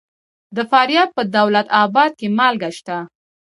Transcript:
د فاریاب په دولت اباد کې مالګه شته.